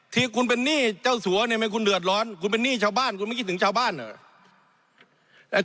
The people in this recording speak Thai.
ที่คุณเป็นหนี้เจ้าสัวเนี่ยไม่คุณเดือดร้อนคุณเป็นหนี้ชาวบ้านคุณไม่คิดถึงชาวบ้านเหรอ